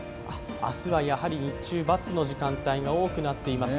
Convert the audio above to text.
明日はやはり日中、×の時間帯が多くなっています。